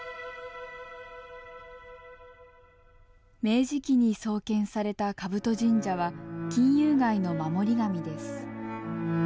明治期に創建された兜神社は金融街の守り神です。